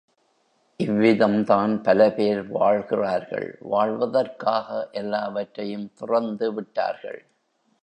இவ்விதம் தான் பலபேர் வாழ்கிறார்கள், வாழ்வதற்காக எல்லாவற்றையும் துறந்துவிட்டார்கள்.